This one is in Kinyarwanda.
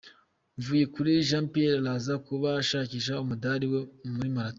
Mvuyekure Jean Pierre araza kuba ashakisha umudari muri Marathon.